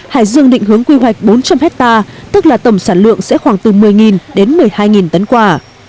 hải dương định hướng quy hoạch bốn trăm linh hectare tức là tổng sản lượng sẽ khoảng từ một mươi đến một mươi hai tấn quả